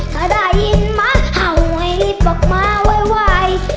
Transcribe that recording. ถ้าได้ยินมาเห่าให้รีบออกมาไว